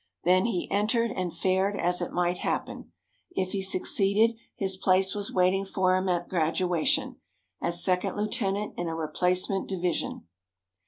Then he entered and fared as it might happen. If he succeeded, his place was waiting for him at his graduation, as second lieutenant in a replacement division.